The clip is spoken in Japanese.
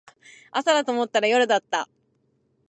朝だと思ったら夜だった